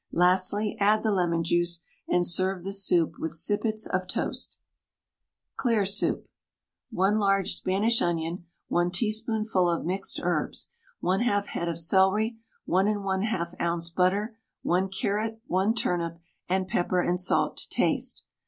Lastly, add the lemon juice, and serve the soup with sippets of toast. CLEAR SOUP. 1 large Spanish onion, 1 teaspoonful of mixed herbs, 1/2 head of celery, 1 1/2 oz. butter, 1 carrot, 1 turnip, and pepper and salt to taste.